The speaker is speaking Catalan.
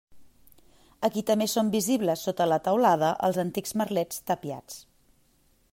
Aquí també són visibles sota la teulada els antics merlets tapiats.